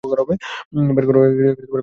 বের কর এটা।